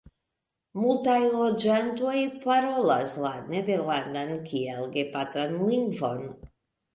Multaj loĝantoj parolas la nederlandan kiel gepatran lingvon.